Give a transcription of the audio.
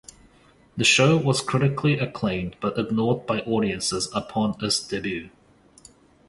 The show was critically acclaimed but ignored by audiences upon its debut.